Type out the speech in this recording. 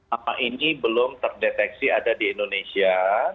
apa ini belum terdeteksi ada di indonesia